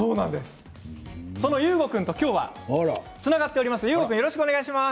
その有吾君と、きょうはつながっております。